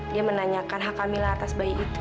dia menanyakan hak kamil atas bayi itu